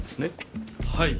はい。